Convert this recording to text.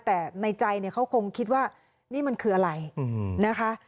แต่ในใจเนี่ยเขาคงคิดว่านี่มันคืออะไรนะคะ